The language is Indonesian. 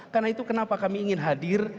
karena itu kenapa kami ingin hadir